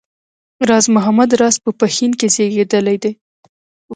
راز محمد راز په پښین کې زېږېدلی دی